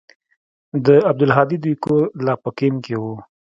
د عبدالهادي دوى کور لا په کمپ کښې و.